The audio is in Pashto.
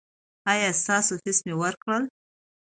ایا ستاسو فیس مې ورکړ؟